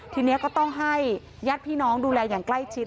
ทีนี้ก็ต้องให้ญาติพี่น้องดูแลอย่างใกล้ชิด